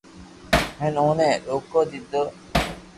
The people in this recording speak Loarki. ھين اوني روڪو دي